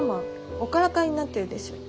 おからかいになってるでしょう？